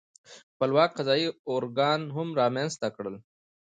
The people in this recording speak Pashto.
خپلواک قضايي ارګان هم رامنځته کړل.